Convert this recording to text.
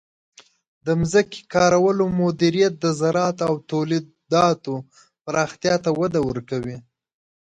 د ځمکې کارولو مدیریت د زراعت او تولیداتو پراختیا ته وده ورکوي.